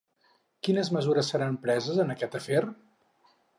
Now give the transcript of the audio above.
Quines mesures seran preses en aquest afer?